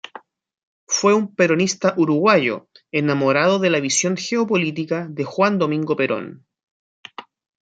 Fue un peronista uruguayo, enamorado de la visión geopolítica de Juan Domingo Perón.